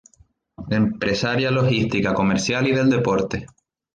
Empresaria Logística, comercial y del deporte.